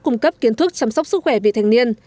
cung cấp kiến thức chăm sóc sức khỏe vị thành niên